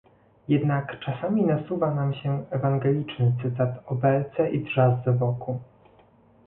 Jednak czasami nasuwa nam się ewangeliczny cytat o belce i drzazdze w oku